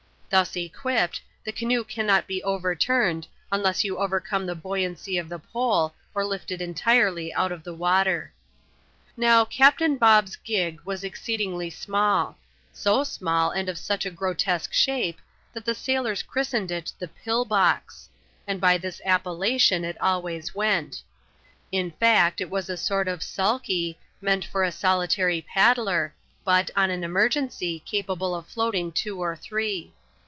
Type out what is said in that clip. Thus equipped, the canoe cannot be overturned, unless you overcome the buoyancy of the pole, or lift it entirely out of the water. . Now, Captain Bob's " gig " was exceedingly small ; so small, and of such a grotesque shape, that the sailors christened it the Pill Box ; and by this appellation it always went. In fact, it was a sort of " sulky," meant for a solitary paddler, but, on an emergency, capable of floating two or three.